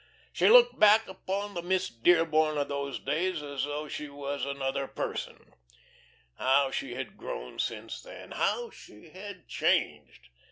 She looked back upon the Miss Dearborn of those days as though she were another person. How she had grown since then! How she had changed!